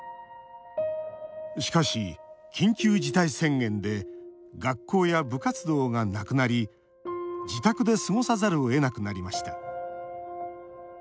しかし、緊急事態宣言で学校や部活動がなくなり自宅で過ごさざるをえなくなりました。